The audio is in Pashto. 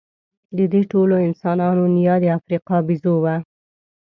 د دې ټولو انسانانو نیا د افریقا بیزو وه.